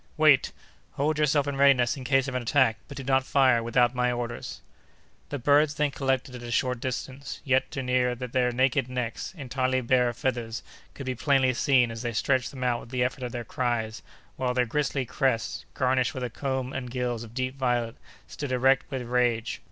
"Wait! Hold yourself in readiness in case of an attack, but do not fire without my orders." The birds then collected at a short distance, yet so near that their naked necks, entirely bare of feathers, could be plainly seen, as they stretched them out with the effort of their cries, while their gristly crests, garnished with a comb and gills of deep violet, stood erect with rage.